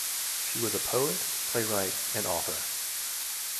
She was a poet, playwright and author.